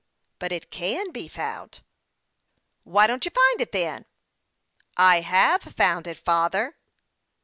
" But it can be found." " Why don't you find it, then ?"" I have found it, father